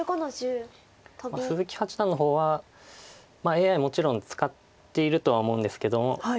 鈴木八段の方はＡＩもちろん使っているとは思うんですけども。